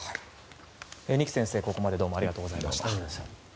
二木先生、ここまでどうもありがとうございました。